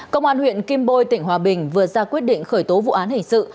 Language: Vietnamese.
công an huyện kim bôi tỉnh hòa bình vừa ra quyết định khởi tố vụ án hình sự